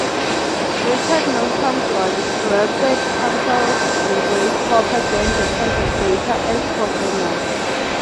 Richard Milton Bloch, Robert Campbell and Grace Hopper joined the project later as programmers.